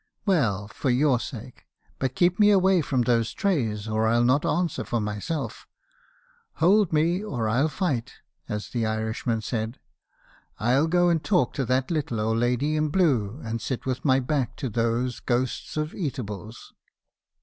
"'Well, for your sake; but keep me away from those trays, or I'll not answer for myself "Hould me, or I'll fight," as 272 mk. haerison's CONCESSIONS. the Irishman said. I '11 go and talk to that little old lady in blue, and sit with my back to those ghosts of eatables.'